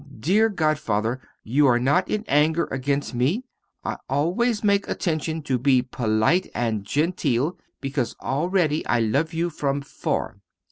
Dear godfather, you are not in anger against me? I make always attention to be polite and genteel, because already I love you from far.